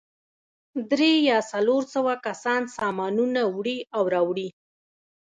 درې یا څلور سوه کسان سامانونه وړي او راوړي.